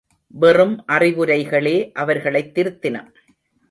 வெறும் அறிவுரைகளே அவர்களைத் திருத்தின.